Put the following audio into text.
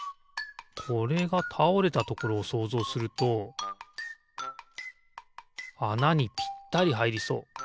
これがたおれたところをそうぞうするとあなにぴったりはいりそう。